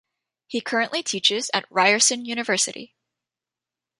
He currently teaches at Ryerson University.